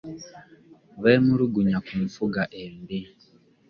Beemulugunya ku nfuga embi.